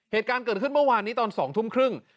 เหตุการณ์เกิดขึ้นเมื่อวานนี้ตอน๒ทุ่มครึ่ง